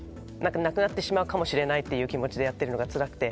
なくなってしまうかもしれないという気持ちでやっているのが辛くて。